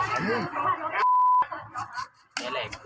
เฮ้ยคุณผ่านช้อนเลยนะ